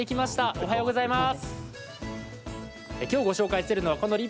おはようございます。